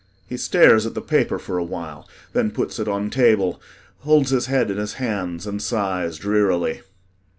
He stares at the paper for a while, then puts it on table, holds his head in his hands and sighs drearily.